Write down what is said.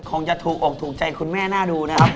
คงจะถูกอกถูกใจคุณแม่น่าดูนะครับ